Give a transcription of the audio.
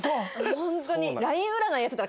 ホントに。